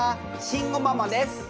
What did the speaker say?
慎吾ママです。